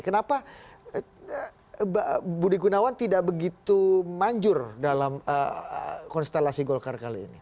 kenapa budi gunawan tidak begitu manjur dalam konstelasi golkar kali ini